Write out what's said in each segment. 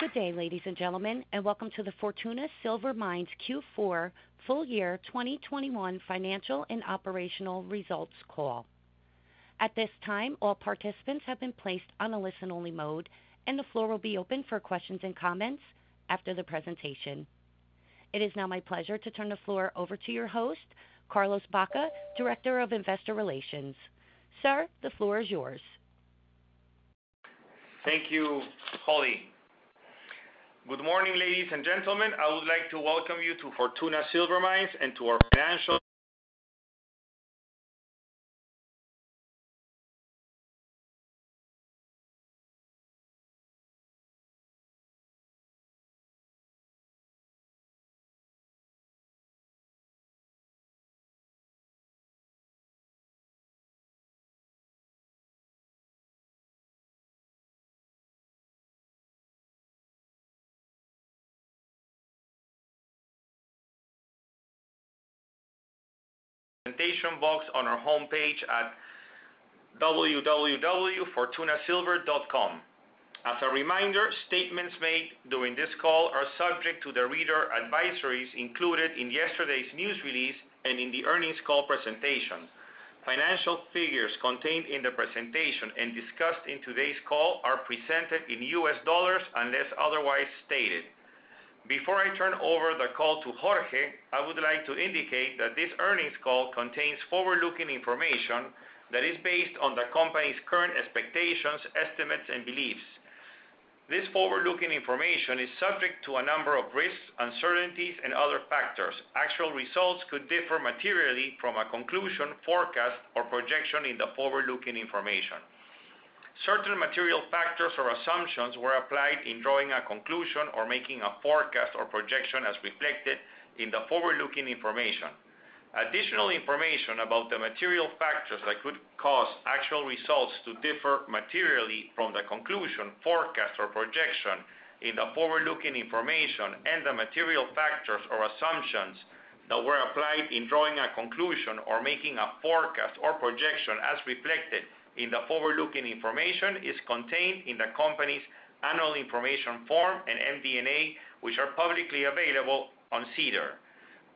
Good day, ladies and gentlemen, and welcome to the Fortuna Silver Mines Q4 full-year 2021 Financial and Operational Results Call. At this time, all participants have been placed on a listen-only mode, and the floor will be open for questions and comments after the presentation. It is now my pleasure to turn the floor over to your host, Carlos Baca, Director of Investor Relations. Sir, the floor is yours. Thank you, Holly. Good morning, ladies and gentlemen. I would like to welcome you to Fortuna Silver Mines and to our financial on our homepage at www.fortunasilver.com. As a reminder, statements made during this call are subject to the reader advisories included in yesterday's news release and in the earnings call presentation. Financial figures contained in the presentation and discussed in today's call are presented in US dollars, unless otherwise stated. Before I turn over the call to Jorge, I would like to indicate that this earnings call contains forward-looking information that is based on the company's current expectations, estimates, and beliefs. This forward-looking information is subject to a number of risks, uncertainties, and other factors. Actual results could differ materially from a conclusion, forecast, or projection in the forward-looking information. Certain material factors or assumptions were applied in drawing a conclusion or making a forecast or projection as reflected in the forward-looking information. Additional information about the material factors that could cause actual results to differ materially from the conclusion, forecast, or projection in the forward-looking information and the material factors or assumptions that were applied in drawing a conclusion or making a forecast or projection as reflected in the forward-looking information is contained in the company's annual information form and MD&A, which are publicly available on SEDAR.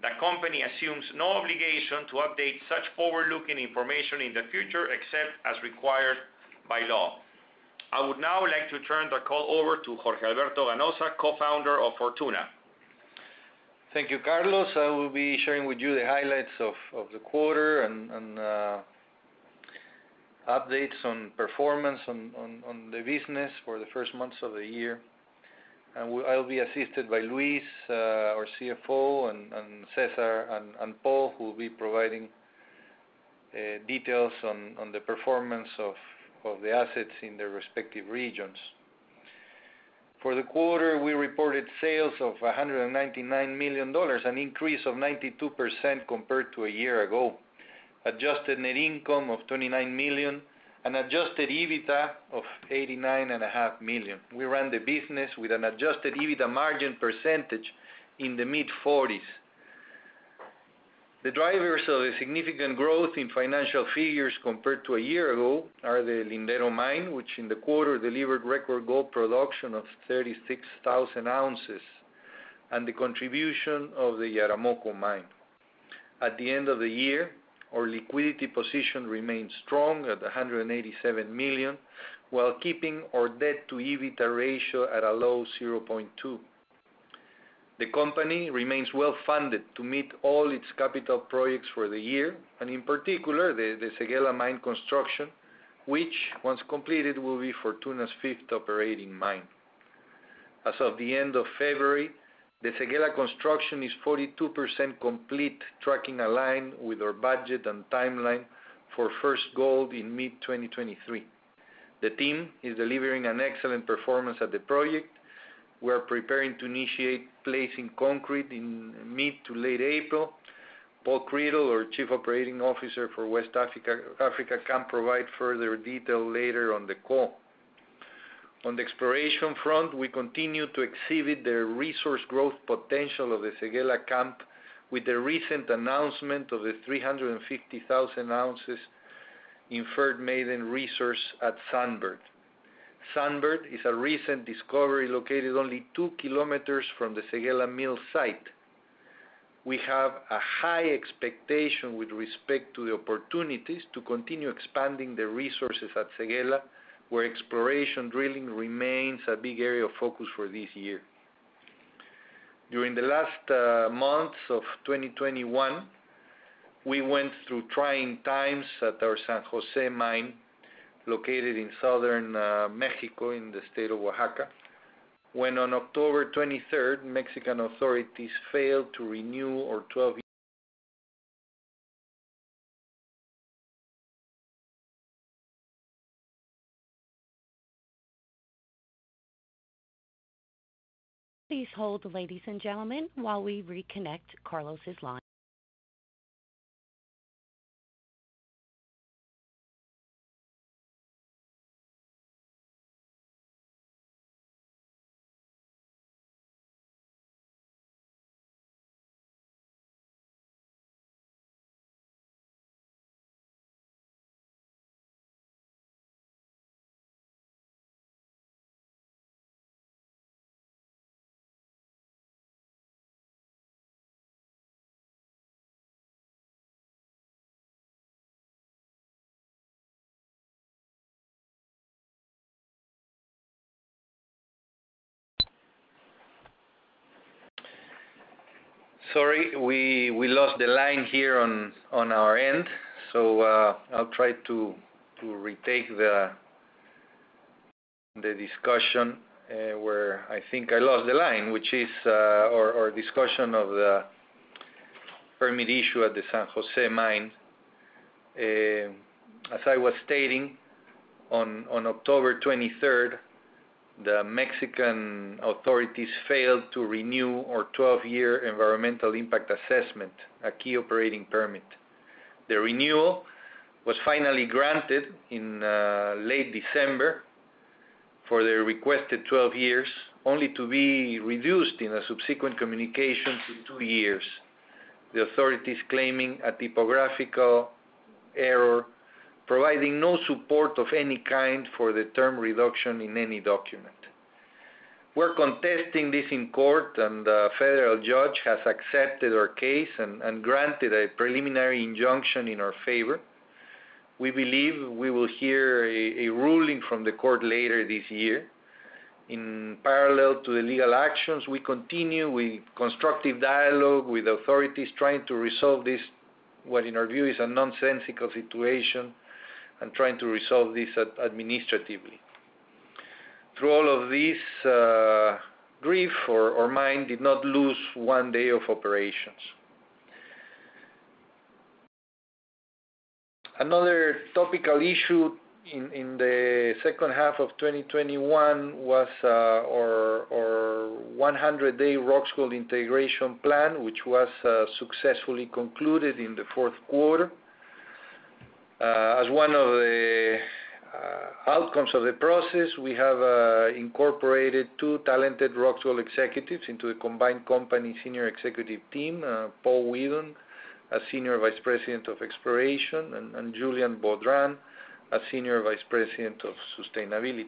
The company assumes no obligation to update such forward-looking information in the future, except as required by law. I would now like to turn the call over to Jorge Alberto Ganoza, Co-Founder of Fortuna. Thank you, Carlos. I will be sharing with you the highlights of the quarter and updates on performance on the business for the first months of the year. I'll be assisted by Luis, our CFO, and Cesar and Paul, who will be providing details on the performance of the assets in their respective regions. For the quarter, we reported sales of $199 million, an increase of 92% compared to a year ago. Adjusted net income of $29 million and adjusted EBITDA of $89.5 million. We ran the business with an adjusted EBITDA margin percentage in the mid-40s%. The drivers of the significant growth in financial figures compared to a year ago are the Lindero Mine, which in the quarter delivered record gold production of 36,000 ounces, and the contribution of the Yaramoko Mine. At the end of the year, our liquidity position remains strong at $187 million, while keeping our debt-to-EBITDA ratio at a low 0.2. The company remains well-funded to meet all its capital projects for the year, and in particular, the Séguéla Mine construction, which once completed, will be Fortuna's fifth operating mine. As of the end of February, the Séguéla construction is 42% complete, tracking aligned with our budget and timeline for first gold in mid-2023. The team is delivering an excellent performance at the project. We're preparing to initiate placing concrete in mid to late April. Paul Criddle, our Chief Operating Officer for West Africa, can provide further detail later on the call. On the exploration front, we continue to exhibit the resource growth potential of the Séguéla camp with the recent announcement of the 350,000 ounces inferred maiden resource at Sunbird. Sunbird is a recent discovery located only 2 km from the Séguéla mill site. We have a high expectation with respect to the opportunities to continue expanding the resources at Séguéla, where exploration drilling remains a big area of focus for this year. During the last months of 2021, we went through trying times at our San Jose Mine located in Southern Mexico in the state of Oaxaca. When on October 23rd, Mexican authorities failed to renew our 12-year- Please hold, ladies and gentlemen, while we reconnect Carlos' line. Sorry, we lost the line here on our end. I'll try to retake the discussion where I think I lost the line, which is our discussion of the permit issue at the San José mine. As I was stating, on October 23rd, the Mexican authorities failed to renew our 12-year environmental impact assessment, a key operating permit. The renewal was finally granted in late December for the requested 12 years, only to be reduced in a subsequent communication to two years, the authorities claiming a typographical error, providing no support of any kind for the term reduction in any document. We're contesting this in court, and a federal judge has accepted our case and granted a preliminary injunction in our favor. We believe we will hear a ruling from the court later this year. In parallel to the legal actions we continue with constructive dialogue with authorities trying to resolve this, what in our view is a nonsensical situation, and trying to resolve this administratively. Through all of this grief, our mine did not lose one day of operations. Another topical issue in the second half of 2021 was our 100-day Roxgold integration plan which was successfully concluded in the fourth quarter. As one of the outcomes of the process, we have incorporated two talented Roxgold executives into a combined company senior executive team. Paul Weedon, a Senior Vice President of Exploration, and Julien Baudrand, a Senior Vice President of Sustainability.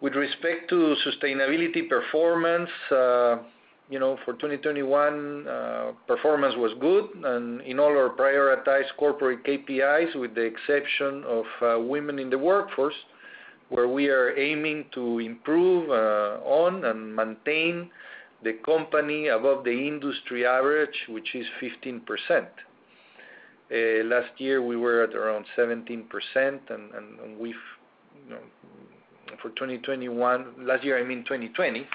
With respect to sustainability performance, you know, for 2021, performance was good and in all our prioritized corporate KPIs, with the exception of women in the workforce, where we are aiming to improve on and maintain the company above the industry average, which is 15%. Last year we were at around 17% and we've, you know. Last year, I mean 2020.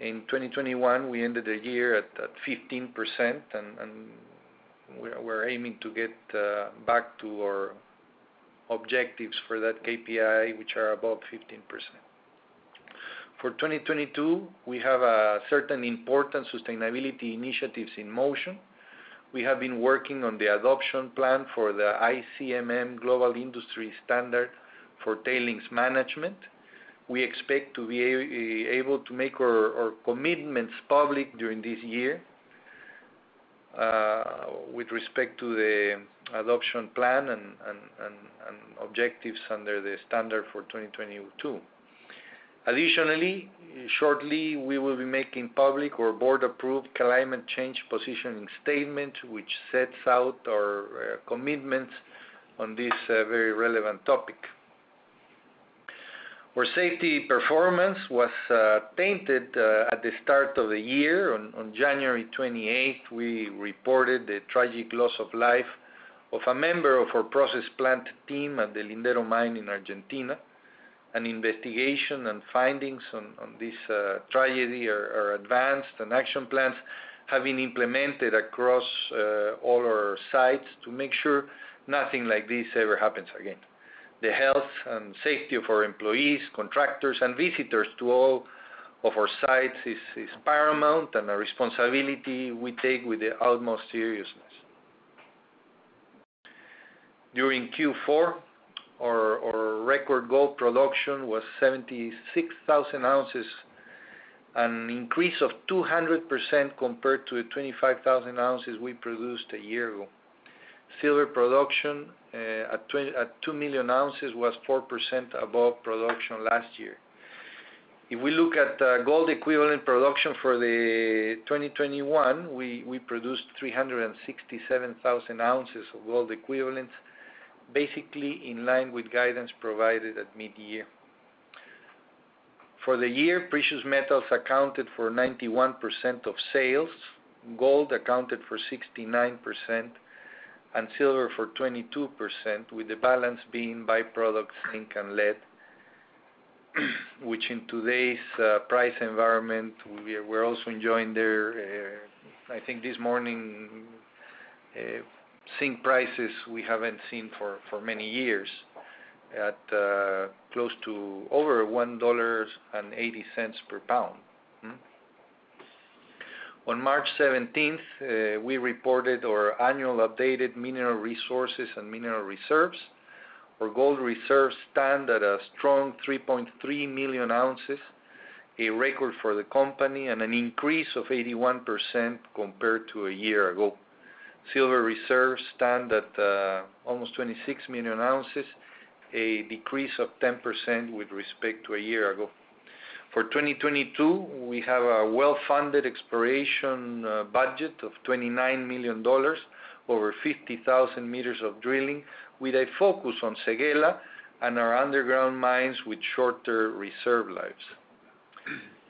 In 2021, we ended the year at 15% and we're aiming to get back to our objectives for that KPI, which are above 15%. For 2022, we have certain important sustainability initiatives in motion. We have been working on the adoption plan for the ICMM Global Industry Standard on Tailings Management. We expect to be able to make our commitments public during this year with respect to the adoption plan and objectives under the standard for 2022. Additionally, shortly, we will be making public our board-approved climate change positioning statement, which sets out our commitments on this very relevant topic. Our safety performance was tainted at the start of the year. On January 28th, we reported the tragic loss of life of a member of our process plant team at the Lindero mine in Argentina. An investigation and findings on this tragedy are advanced and action plans have been implemented across all our sites to make sure nothing like this ever happens again. The health and safety of our employees, contractors and visitors to all of our sites is paramount and a responsibility we take with the utmost seriousness. During Q4 our record gold production was 76,000 ounces, an increase of 200% compared to the 25,000 ounces we produced a year ago. Silver production at 2 million ounces was 4% above production last year. If we look at gold equivalent production for 2021, we produced 367,000 ounces of gold equivalent, basically in line with guidance provided at mid-year. For the year, precious metals accounted for 91% of sales. Gold accounted for 69% and silver for 22%, with the balance being by-products zinc and lead, which in today's price environment we're also enjoying their. I think this morning, zinc prices we haven't seen for many years at close to over $1.80 per pound. On March seventeenth, we reported our annual updated mineral resources and mineral reserves. Our gold reserves stand at a strong 3.3 million ounces, a record for the company and an increase of 81% compared to a year ago. Silver reserves stand at almost 26 million ounces, a decrease of 10% with respect to a year ago. For 2022, we have a well-funded exploration budget of $29 million, over 50,000 meters of drilling, with a focus on Séguéla and our underground mines with shorter reserve lives.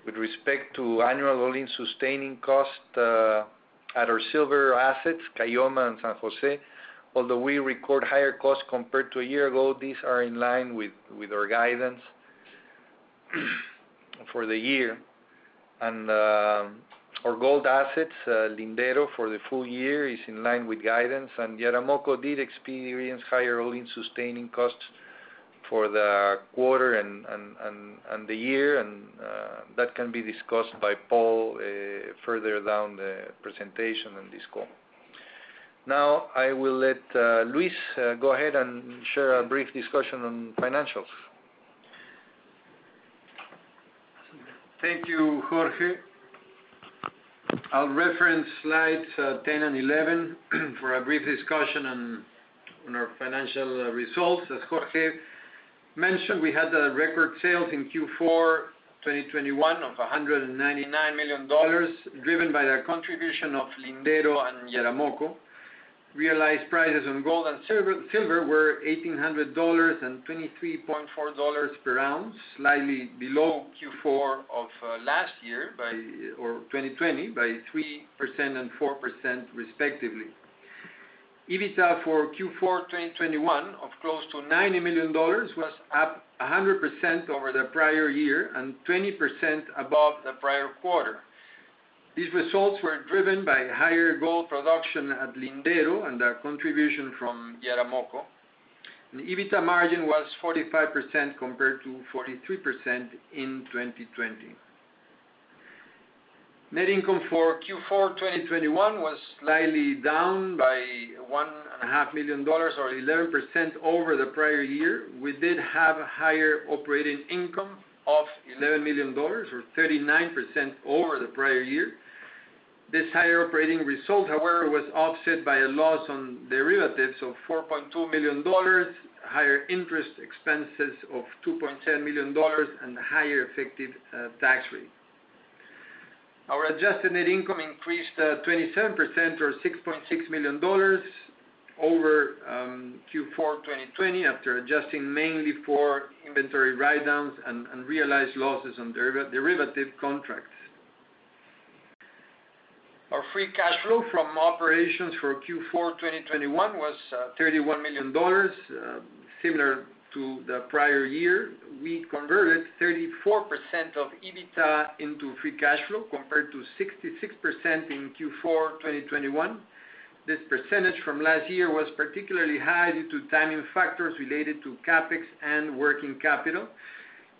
With respect to annual all-in sustaining cost at our silver assets, Caylloma and San Jose, although we record higher costs compared to a year ago, these are in line with our guidance for the year. Our gold assets, Lindero for the full year is in line with guidance, and Yaramoko did experience higher all-in sustaining costs for the quarter and the year, and that can be discussed by Paul further down the presentation on this call. Now I will let Luis go ahead and share a brief discussion on financials. Thank you, Jorge. I'll reference slides 10 and 11 for a brief discussion on our financial results. As Jorge mentioned, we had record sales in Q4 2021 of $199 million driven by the contribution of Lindero and Yaramoko. Realized prices on gold and silver were $1,800 and $23.4 per ounce, slightly below Q4 of last year or 2020 by 3% and 4% respectively. EBITDA for Q4 2021 of close to $90 million was up 100% over the prior year and 20% above the prior quarter. These results were driven by higher gold production at Lindero and the contribution from Yaramoko. EBITDA margin was 45% compared to 43% in 2020. Net income for Q4 2021 was slightly down by $1.5 million or 11% over the prior year. We did have higher operating income of $11 million or 39% over the prior year. This higher operating result, however, was offset by a loss on derivatives of $4.2 million, higher interest expenses of $2.1 million, and higher effective tax rate. Our adjusted net income increased 27% or $6.6 million over Q4 2020 after adjusting mainly for inventory write-downs and realized losses on derivative contracts. Our free cash flow from operations for Q4 2021 was $31 million, similar to the prior year. We converted 34% of EBITDA into free cash flow compared to 66% in Q4 2021. This percentage from last year was particularly high due to timing factors related to CapEx and working capital.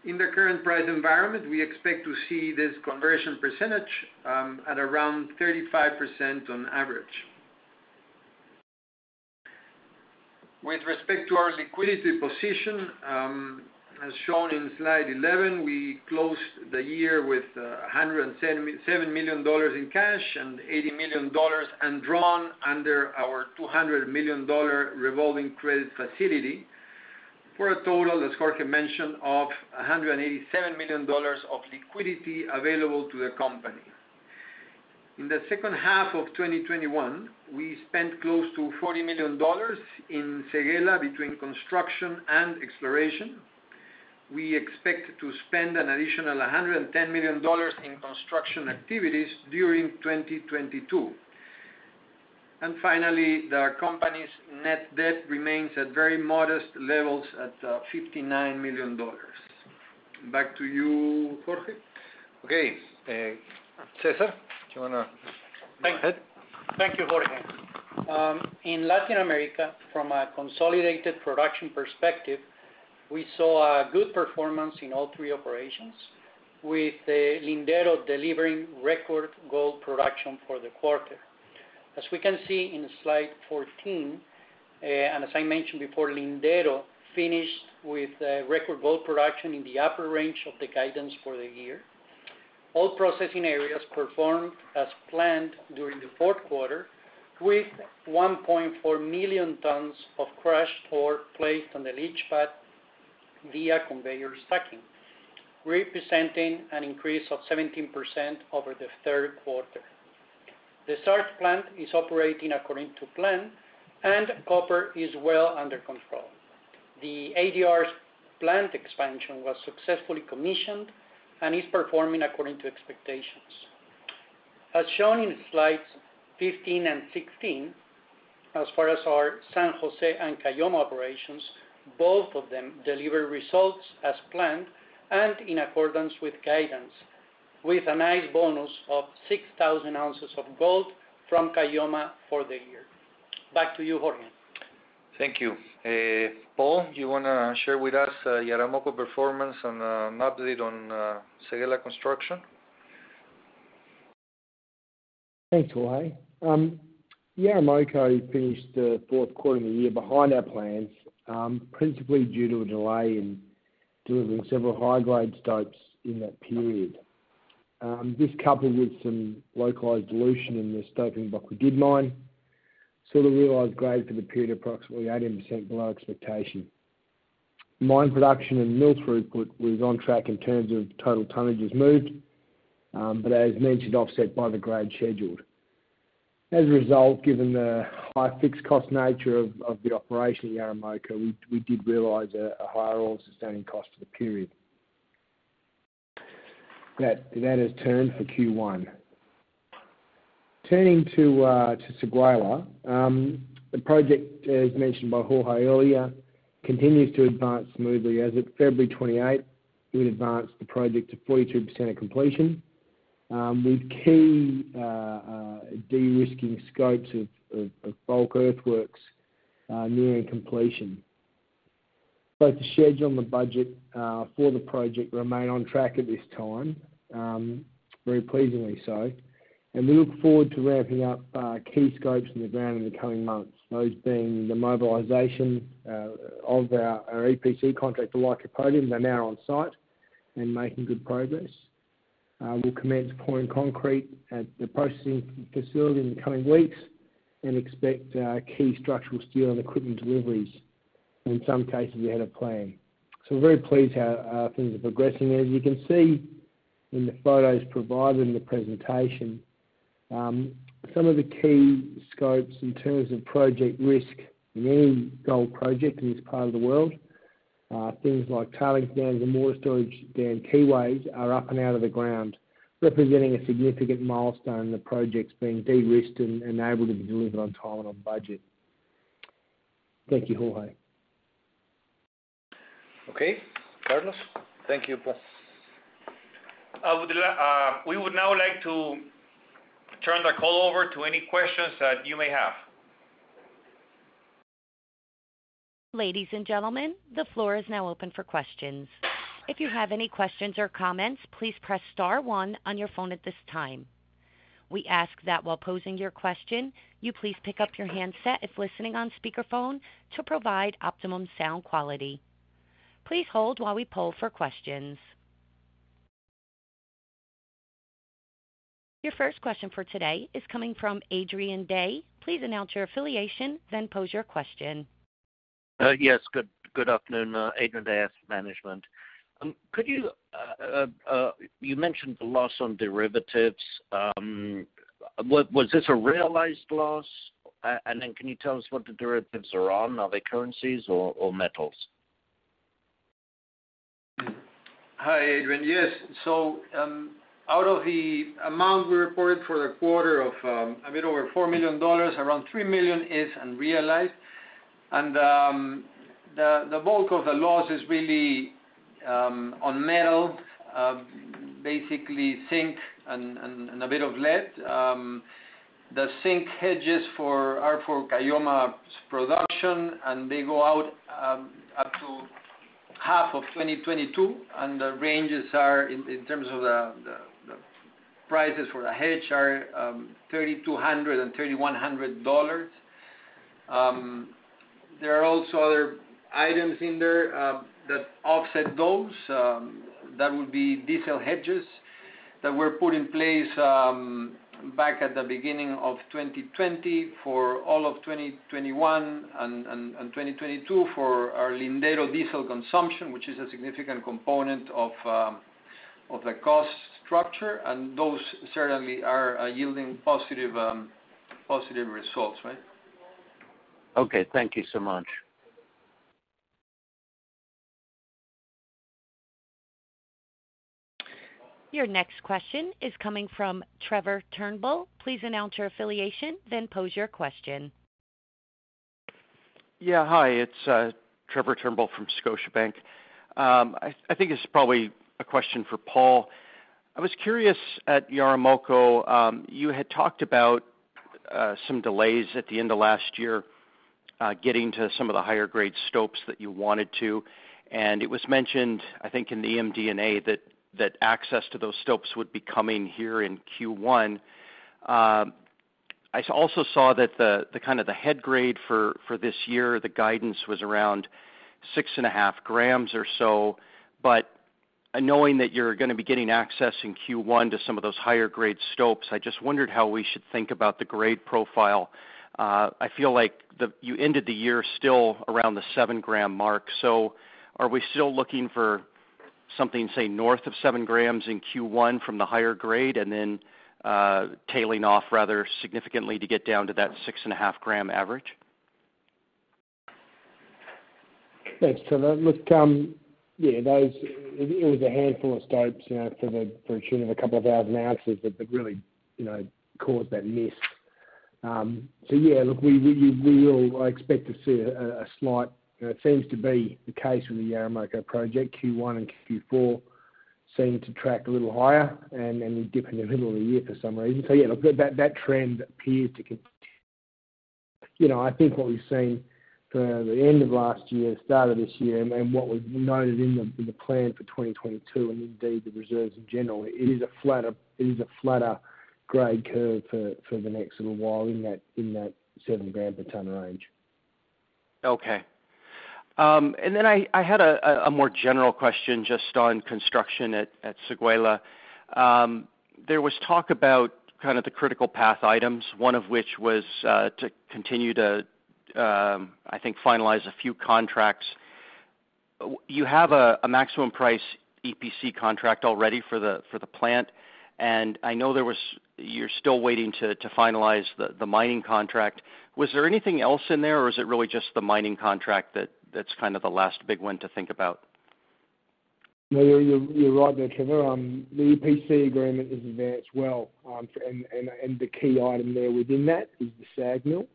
In the current price environment, we expect to see this conversion percentage at around 35% on average. With respect to our liquidity position, as shown in slide 11, we closed the year with $107 million in cash and $80 million undrawn under our $200 million revolving credit facility, for a total, as Jorge mentioned, of $187 million of liquidity available to the company. In the second half of 2021, we spent close to $40 million in Séguéla between construction and exploration. We expect to spend an additional $110 million in construction activities during 2022. Finally, the company's net debt remains at very modest levels at $59 million. Back to you, Jorge. Okay. Cesar, do you wanna go ahead? Thank you, Jorge. In Latin America, from a consolidated production perspective, we saw a good performance in all three operations with Lindero delivering record gold production for the quarter. As we can see in slide 14, and as I mentioned before, Lindero finished with record gold production in the upper range of the guidance for the year. All processing areas performed as planned during the fourth quarter with 1.4 million tons of crushed ore placed on the leach pad via conveyor stacking, representing an increase of 17% over the third quarter. The SART plant is operating according to plan and copper is well under control. The ADR plant expansion was successfully commissioned and is performing according to expectations. As shown in slides 15 and 16, as far as our San Jose and Caylloma operations, both of them delivered results as planned and in accordance with guidance, with a nice bonus of 6,000 ounces of gold from Caylloma for the year. Back to you, Jorge. Thank you. Paul, do you wanna share with us Yaramoko performance and an update on Séguéla construction? Thanks, Jorge. Yaramoko finished the fourth quarter of the year behind our plans, principally due to a delay in delivering several high-grade stopes in that period. This coupled with some localized dilution in the stoping block we did mine, saw the realized grade for the period approximately 18% below expectation. Mine production and mill throughput was on track in terms of total tonnages moved, but as mentioned, offset by the grade scheduled. As a result, given the high fixed cost nature of the operation in Yaramoko, we did realize a higher all-in sustaining cost for the period. That event has turned for Q1. Turning to Séguéla. The project, as mentioned by Jorge earlier, continues to advance smoothly as of February 28. We'd advanced the project to 42% of completion, with key de-risking scopes of bulk earthworks nearing completion. Both the schedule and the budget for the project remain on track at this time, very pleasingly so. We look forward to ramping up key scopes in the ground in the coming months. Those being the mobilization of our EPC contract for Lycopodium. They're now on site and making good progress. We'll commence pouring concrete at the processing facility in the coming weeks and expect key structural steel and equipment deliveries, and in some cases ahead of plan. We're very pleased how things are progressing. As you can see in the photos provided in the presentation, some of the key scopes in terms of project risk in any gold project in this part of the world, things like tailings dams and water storage dam keyways are up and out of the ground, representing a significant milestone in the project's being de-risked and able to be delivered on time and on budget. Thank you, Jorge. Okay, Carlos. Thank you, Paul. We would now like to turn the call over to any questions that you may have. Ladies and gentlemen, the floor is now open for questions. If you have any questions or comments, please press star one on your phone at this time. We ask that while posing your question, you please pick up your handset if listening on speakerphone to provide optimum sound quality. Please hold while we poll for questions. Your first question for today is coming from Adrian Day. Please announce your affiliation, then pose your question. Yes. Good afternoon. Adrian Day Asset Management. You mentioned the loss on derivatives. Was this a realized loss? And then can you tell us what the derivatives are on? Are they currencies or metals? Hi, Adrian. Yes. Out of the amount we reported for the quarter of a bit over $4 million, around $3 million is unrealized. The bulk of the loss is really on metals, basically zinc and a bit of lead. The zinc hedges are for Caylloma's production, and they go out up to half of 2022. The ranges are, in terms of the prices for the hedge are $3,200 and $3,100. There are also other items in there that offset those. That would be diesel hedges that were put in place back at the beginning of 2020 for all of 2021 and 2022 for our Lindero diesel consumption, which is a significant component of the cost structure. Those certainly are yielding positive results, right? Okay, thank you so much. Your next question is coming from Trevor Turnbull. Please announce your affiliation, then pose your question. Yeah. Hi, it's Trevor Turnbull from Scotiabank. I think it's probably a question for Paul. I was curious at Yaramoko, you had talked about some delays at the end of last year, getting to some of the higher grade stopes that you wanted to. It was mentioned, I think, in the MD&A that access to those stopes would be coming here in Q1. I also saw that the kind of head grade for this year, the guidance was around 6.5 grams or so. But knowing that you're gonna be getting access in Q1 to some of those higher grade stopes, I just wondered how we should think about the grade profile. I feel like you ended the year still around the seven-gram mark. Are we still looking for something, say, north of seven grams in Q1 from the higher grade and then, tailing off rather significantly to get down to that 6.5 gram average? Thanks, Trevor. Look, it was a handful of stopes, you know, to the tune of a couple of thousand ounces that really, you know, caused that miss. Look, I expect to see a slight, you know, it seems to be the case with the Yaramoko project. Q1 and Q4 seem to track a little higher and we dip in the middle of the year for some reason. That trend appears to con- You know, I think what we've seen for the end of last year, start of this year, and what we've noted in the plan for 2022 and indeed the reserves in general, it is a flatter grade curve for the next little while in that seven grams per ton range. I had a more general question just on construction at Séguéla. There was talk about kind of the critical path items, one of which was to continue to, I think finalize a few contracts. You have a maximum price EPC contract already for the plant. I know there was. You're still waiting to finalize the mining contract. Was there anything else in there, or is it really just the mining contract that's kind of the last big one to think about? No, you're right there, Trevor. The EPC agreement has advanced well, and the key item there within that is the SAG mill.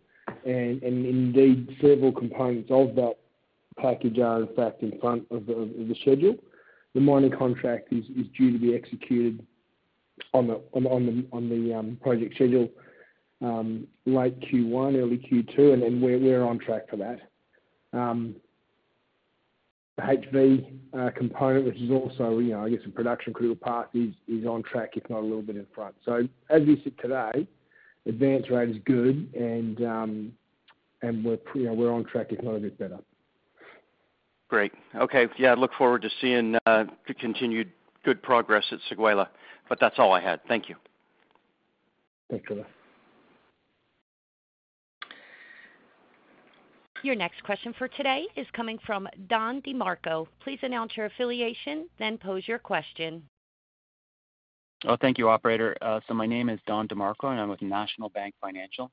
Indeed, several components of that package are in fact in front of the schedule. The mining contract is due to be executed on the project schedule late Q1, early Q2, and we're on track for that. The HV component, which is also, you know, I guess a production critical part, is on track, if not a little bit in front. As we sit today, advance rate is good, and we're, you know, on track if not a bit better. Great. Okay. Yeah, look forward to seeing the continued good progress at Séguéla. That's all I had. Thank you. Thanks a lot. Your next question for today is coming from Don DeMarco. Please announce your affiliation, then pose your question. Thank you, operator. My name is Don DeMarco, and I'm with National Bank Financial.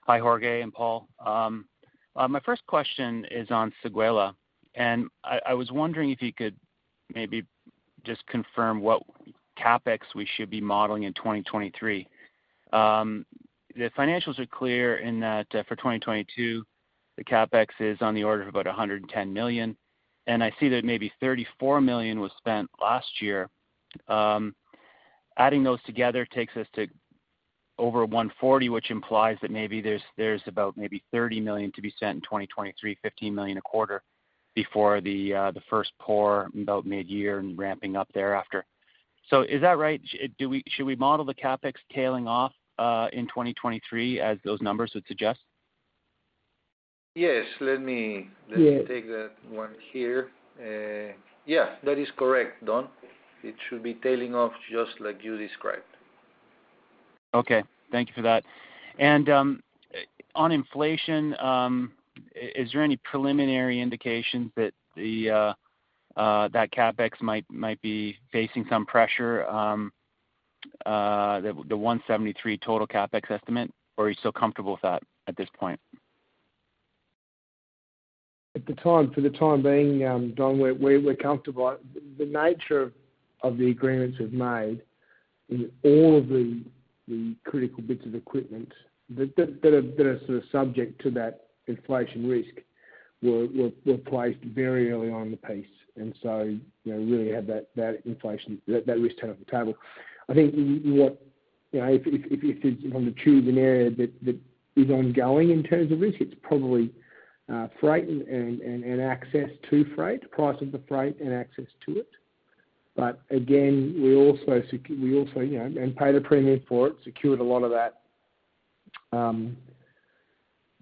Hi, Jorge and Paul. My first question is on Séguéla, and I was wondering if you could maybe just confirm what CapEx we should be modeling in 2023. The financials are clear in that, for 2022, the CapEx is on the order of about $110 million, and I see that maybe $34 million was spent last year. Adding those together takes us to over $140 million, which implies that maybe there's about $30 million to be spent in 2023, $15 million a quarter before the first pour about mid-year and ramping up thereafter. Is that right? Should we model the CapEx tailing off in 2023 as those numbers would suggest? Yes. Yes. Let me take that one here. Yeah, that is correct, Don. It should be tailing off just like you described. Okay. Thank you for that. On inflation, is there any preliminary indications that CapEx might be facing some pressure on the $173 million total CapEx estimate, or are you still comfortable with that at this point? For the time being, Don, we're comfortable. The nature of the agreements we've made in all of the critical bits of equipment that are sort of subject to that inflation risk were placed very early on in the piece. You know, really had that inflation risk turned off the table. I think, you know, if I'm to choose an area that is ongoing in terms of risk, it's probably freight and access to freight, price of the freight and access to it. But again, we also, you know, paid a premium for it, secured a lot of that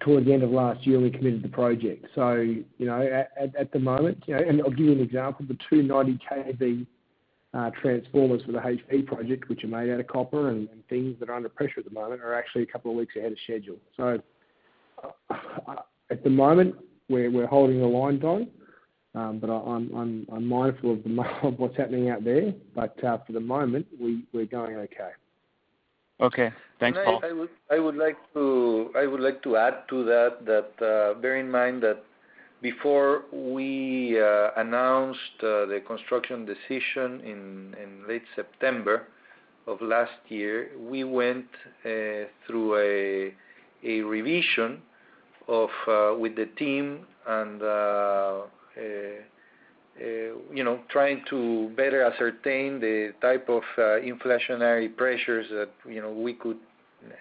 towards the end of last year when we committed the project. you know, at the moment, you know, and I'll give you an example. The 290 kV transformers for the HV project, which are made out of copper and things that are under pressure at the moment, are actually a couple of weeks ahead of schedule. At the moment, we're holding the line, Don. I'm mindful of what's happening out there. For the moment, we're going okay. Okay. Thanks, Paul. I would like to add to that, bear in mind that before we announced the construction decision in late September of last year, we went through a revision with the team and you know, trying to better ascertain the type of inflationary pressures that you know, we could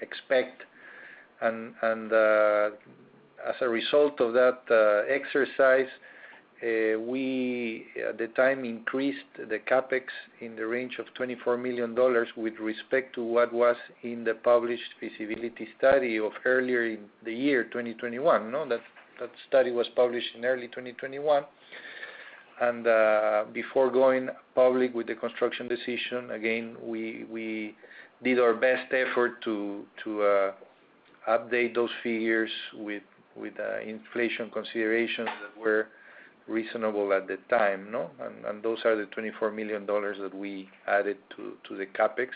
expect. As a result of that exercise, we, at the time, increased the CapEx in the range of $24 million with respect to what was in the published feasibility study of earlier in the year 2021. That study was published in early 2021. Before going public with the construction decision, again, we did our best effort to update those figures with the inflation considerations that were reasonable at the time, you know? Those are the $24 million that we added to the CapEx.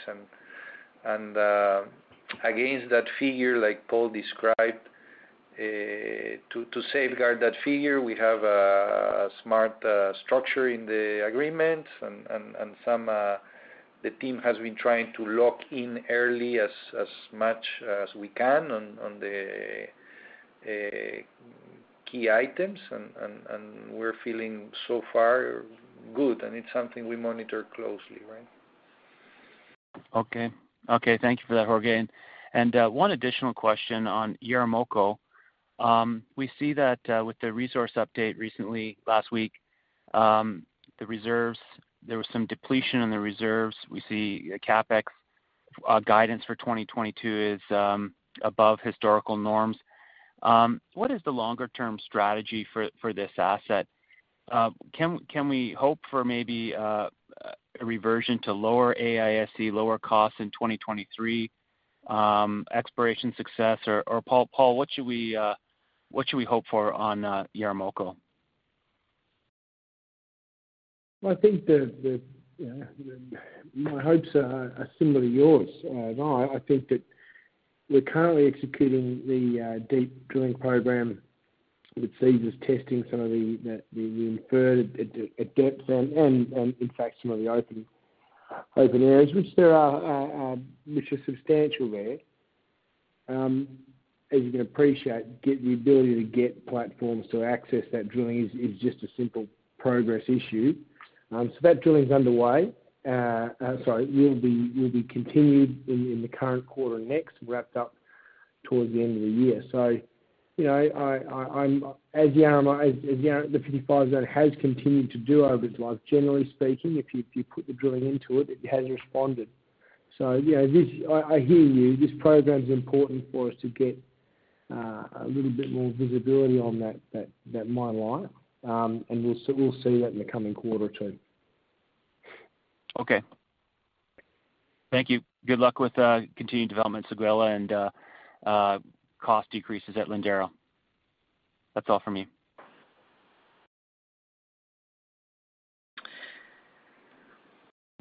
Against that figure, like Paul described, to safeguard that figure, we have a smart structure in the agreement and some the team has been trying to lock in early as much as we can on the key items. We're feeling so far good, and it's something we monitor closely, right? Okay, thank you for that, Jorge. One additional question on Yaramoko. We see that with the resource update recently last week, the reserves, there was some depletion in the reserves. We see a CapEx guidance for 2022 is above historical norms. What is the longer-term strategy for this asset? Can we hope for maybe a reversion to lower AISC, lower costs in 2023, exploration success? Or Paul, what should we hope for on Yaramoko? I think you know, my hopes are similar to yours, Don. I think that we're currently executing the deep drilling program, which sees us testing some of the inferred at depth and in fact some of the open areas, which are substantial there. As you can appreciate, the ability to get platforms to access that drilling is just a simple progress issue. That drilling is underway. It will be continued in the current quarter next, wrapped up towards the end of the year. You know, I'm as the 55 Zone has continued to do over its life, generally speaking, if you put the drilling into it has responded. You know, this, I hear you. This program is important for us to get a little bit more visibility on that mine life. We'll see that in the coming quarter or two. Okay. Thank you. Good luck with continued development at Séguéla and cost decreases at Lindero. That's all from me.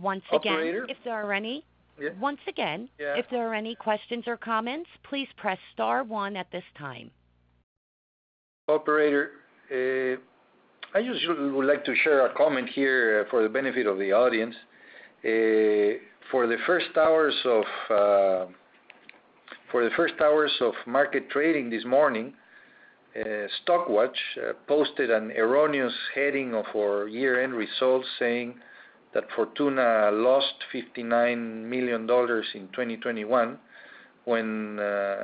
Once again- Operator. If there are any- Yeah. Once again. Yeah. If there are any questions or comments, please press star one at this time. Operator, I just would like to share a comment here for the benefit of the audience. For the first hours of market trading this morning, Stockwatch posted an erroneous heading of our year-end results saying that Fortuna lost $59 million in 2021, when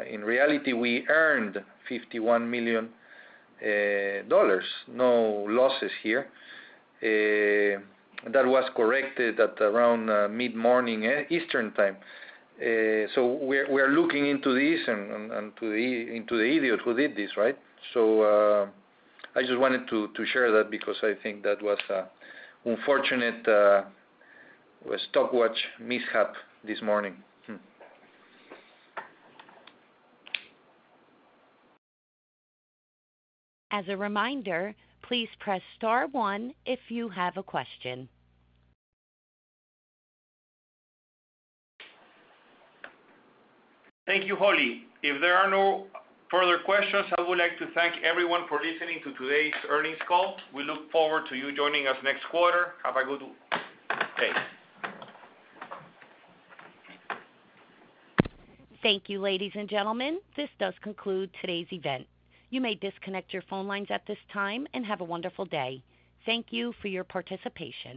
in reality we earned $51 million. No losses here. That was corrected at around mid-morning Eastern time. We're looking into this and into the idiot who did this, right? I just wanted to share that because I think that was an unfortunate Stockwatch mishap this morning. As a reminder, please press star one if you have a question. Thank you, Holly. If there are no further questions, I would like to thank everyone for listening to today's earnings call. We look forward to you joining us next quarter. Have a good day. Thank you, ladies and gentlemen. This does conclude today's event. You may disconnect your phone lines at this time and have a wonderful day. Thank you for your participation.